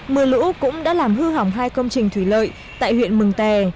mưa lũ cũng đã làm hư hỏng hai công trình thủy lợi tại huyện mường tè